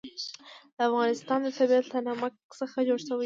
د افغانستان طبیعت له نمک څخه جوړ شوی دی.